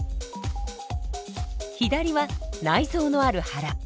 左は内臓のある腹。